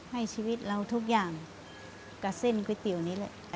ให้ชีวิตเราทุกอย่างกับเส้นก๋วยเตี๋ยวนี้แหละ